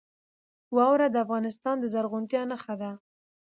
واوره د افغانستان د زرغونتیا نښه ده.